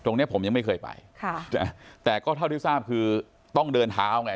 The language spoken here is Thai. เนี้ยผมยังไม่เคยไปค่ะแต่ก็เท่าที่ทราบคือต้องเดินเท้าไง